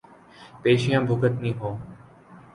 پیشیاں بھگتنی ہوں۔